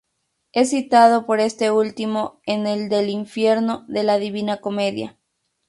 Es citado por este último en el del "Infierno" de La Divina Comedia.